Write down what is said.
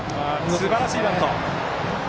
すばらしいバント。